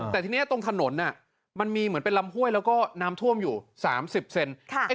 แต่ทีนี้ตรงถนนมันมีเหมือนเป็นลำห้วยแล้วก็น้ำท่วมอยู่๓๐เซน